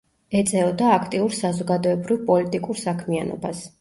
ეწეოდა აქტიურ საზოგადოებრივ პოლიტიკურ საქმიანობას.